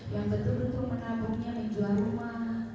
yang betul betul menampungnya menjual rumah